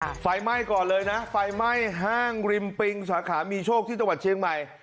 ไฟไหม้ก่อนเลยนะไฟไหม้ห้างริมปิงสาขามีโชคที่จังหวัดเชียงใหม่